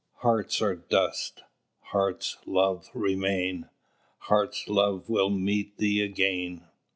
Hearts are dust; hearts' loves remain. Hearts' love will meet thee again."